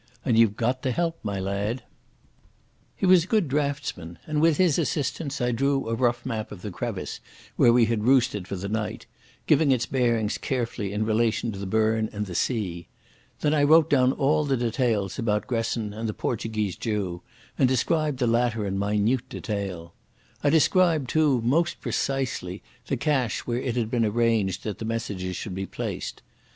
"And you've got to help, my lad." He was a good draughtsman, and with his assistance I drew a rough map of the crevice where we had roosted for the night, giving its bearings carefully in relation to the burn and the sea. Then I wrote down all the details about Gresson and the Portuguese Jew, and described the latter in minute detail. I described, too, most precisely the cache where it had been arranged that the messages should be placed.